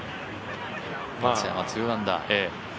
松山、２アンダー。